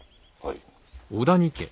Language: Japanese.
はい。